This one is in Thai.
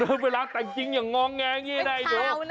เดือนเวลาต่างจริงอย่างง้องแงงงี่ได้